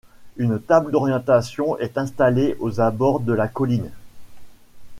Une table d'orientation est installée aux abords de la colline.